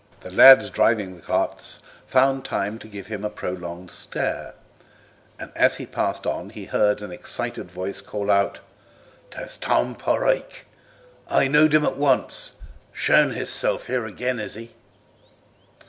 The lads driving the carts found time to give him a prolonged stare, and as he passed on he heard an excited voice call out, "'Tis Tom Prike! I knowed him at once; showing hisself here agen, is he?"